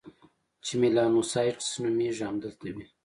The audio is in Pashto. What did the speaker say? چې میلانوسایټس نومیږي، همدلته وي.